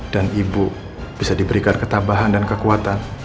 dan ibu bisa diberikan ketambahan dan kekuatan